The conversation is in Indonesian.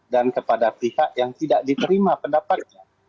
dan kepada pihak yang tidak diterima pendapatnya